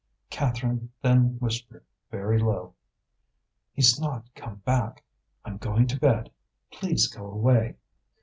Catherine then whispered very low: "He's not come back. I'm going to bed. Please go away."